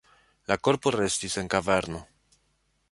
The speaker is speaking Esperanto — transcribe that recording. La korpo restis en kaverno.